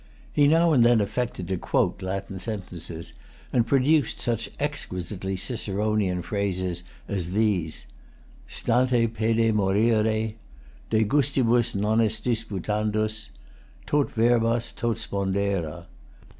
He now and then affected to quote Latin sentences, and produced such exquisitely Ciceronian phrases as these: "Stante pede morire;" "De gustibus non est disputandus;" "Tot verbas tot spondera."